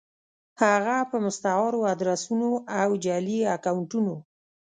هفه په مستعارو ادرسونو او جعلي اکونټونو